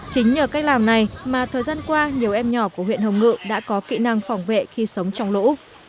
chính nhờ cách làm này mà thời gian qua nhiều em nhỏ của huyện hồng ngự đã có kỹ năng phòng vệ khi sống trong lũ